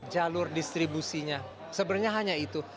jalur distribusinya sebenarnya hanya itu